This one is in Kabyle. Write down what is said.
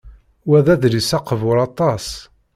Wa d adlis aqbur aṭas.